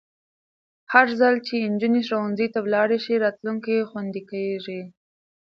هرځل چې نجونې ښوونځي ته ولاړې شي، راتلونکی خوندي کېږي.